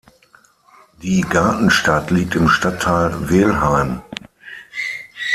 Die Gartenstadt liegt im Stadtteil Welheim.